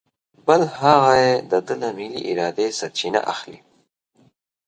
بل هغه یې د ده له ملې ارادې سرچینه اخلي.